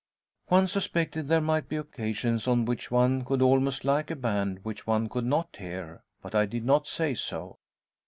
One suspected there might be occasions on which one could almost like a band which one could not hear, but I did not say so.